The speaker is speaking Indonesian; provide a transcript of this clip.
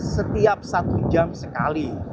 setiap satu jam sekali